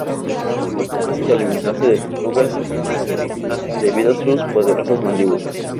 Son capaces de alimentarse de tortugas, sin dificultad, debido a sus poderosas mandíbulas.